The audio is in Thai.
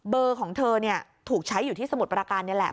ของเธอถูกใช้อยู่ที่สมุทรประการนี่แหละ